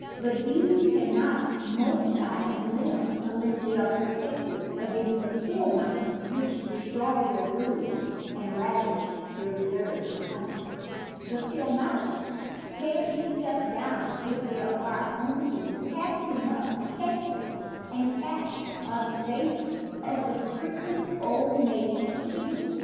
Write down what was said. But bees cannot multiply and live unless they are protected against the field mice which destroy their broods and ravage their reserves of honey. The field mouse can be kept down if there are only cats enough to catch them; and cats are the favor ites of the frequent old maids of England.